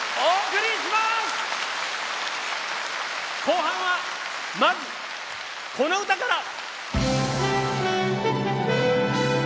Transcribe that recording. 後半はまずこの歌から！